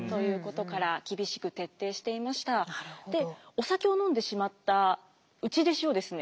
お酒を飲んでしまった内弟子をですね